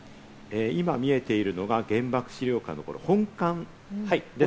今、見えているのが原爆資料館の本館ですね。